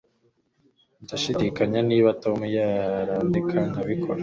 Ndashidikanya niba Tom yarandeka nkabikora